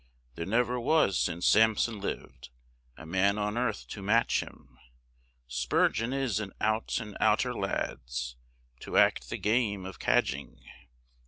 There never was since Sampson lived, A man on earth to match him; Spurgeon is an out and outer, lads, To act the game of cadging.